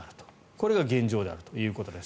これが現状であるということです。